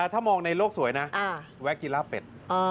ถ้ามองในโลกสวยนะแวะกินล่าเป็ด